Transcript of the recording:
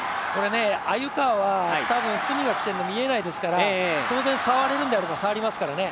鮎川は多分、角が来ているのは見えませんから当然、触れるんであれば触れますからね。